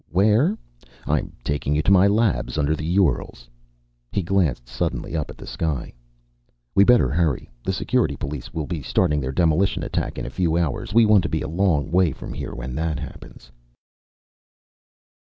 "Where? I'm taking you to my labs. Under the Urals." He glanced suddenly up at the sky. "We better hurry. The Security police will be starting their demolition attack in a few hours. We want to be a long way from here when that begins."